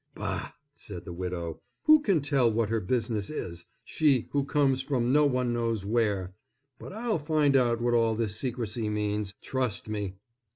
"Bah!" said the widow, "who can tell what her business is, she who comes from no one knows where? But I'll find out what all this secrecy means, trust me!"